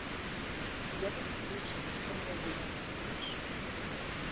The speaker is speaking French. Il avait un logis comme l’oiseau a une branche.